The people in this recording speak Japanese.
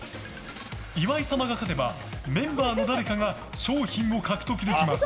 岩井様が勝てばメンバーの誰かが賞品を獲得できます。